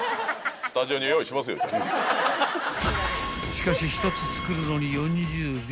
［しかし１つ作るのに４０秒］